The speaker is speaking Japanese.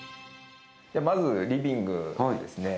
まずリビングですね